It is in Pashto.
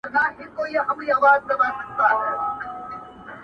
o د مؤمن زړه اينداره ده٫